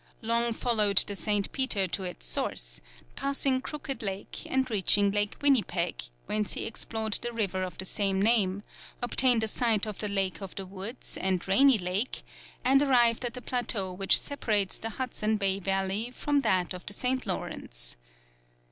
Long followed the St. Peter to its source, passing Crooked Lake and reaching Lake Winnipeg, whence he explored the river of the same name, obtained a sight of the Lake of the Woods and Rainy Lake, and arrived at the plateau which separates the Hudson's Bay valley from that of the St. Lawrence.